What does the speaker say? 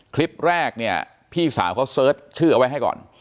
คลิปแรกเนี่ยพี่สาวเขาเสิร์ชชื่อเอาไว้ให้ก่อน